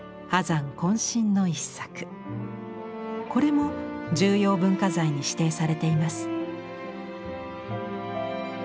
これも重要文化財に指定されています。